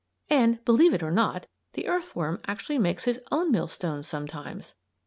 And believe it or not the earthworm actually makes his own millstones sometimes!